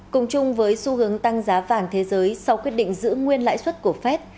cùng chung với xu hướng tăng giá vàng thế giới sau quyết định giữ nguyên lãi suất của fed